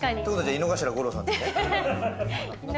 井之頭五郎さんで。